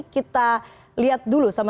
kita lihat dulu